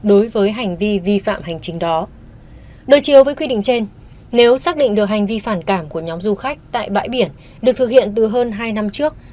đối chiếu với quy định trên nếu xác định được hành vi phản cảm của nhóm du khách tại bãi biển được thực hiện từ hơn hai năm trước